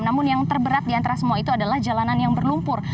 namun yang terberat di antara semua itu adalah jalanan yang berlumpur